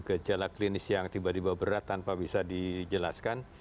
gejala klinis yang tiba tiba berat tanpa bisa dijelaskan